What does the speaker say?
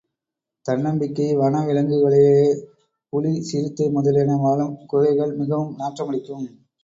தன்னம்பிக்கை வன விலங்குகளிலே புலி சிறுத்தை முதலியன வாழும் குகைகள் மிகவும் நாற்றமடிக்கும்.